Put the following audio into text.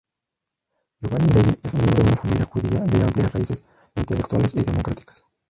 Giovanni Levi es miembro de una familia judía de amplias raíces intelectuales y democráticas.